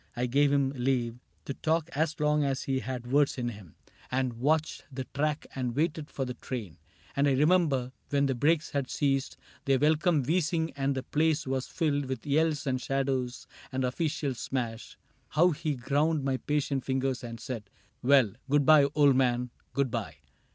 I gave him leave To talk as long as he had words in him. CAPTAIN CRAIG 17 And watched the track and waited for the train ; And I remember, when the brakes had ceased Their welcome wheezing and the place was filled With yells and shadows and official smash, How he ground my patient fingers and said, " Well, Good by, old man !— good by